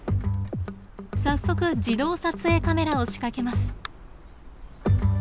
早速自動撮影カメラを仕掛けます。